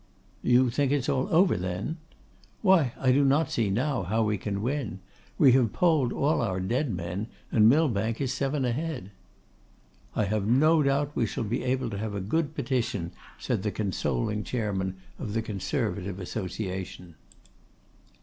'You think it's all over, then?' 'Why, I do not see now how we can win. We have polled all our dead men, and Millbank is seven ahead.' 'I have no doubt we shall be able to have a good petition,' said the consoling chairman of the Conservative Association.